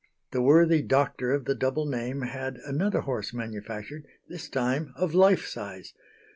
The worthy doctor of the double name had another horse manufactured, this time of life size.